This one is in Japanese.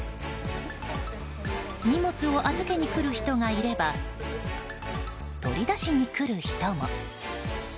荷物を預けに来る人がいれば取り出しに来る人も。